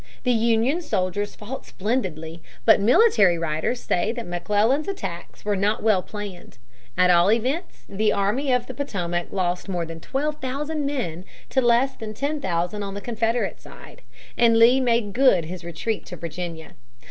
The Union soldiers fought splendidly. But military writers say that McClellan's attacks were not well planned. At all events, the Army of the Potomac lost more than twelve thousand men to less than ten thousand on the Confederate side, and Lee made good his retreat to Virginia.